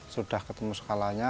sudah ketemu skalanya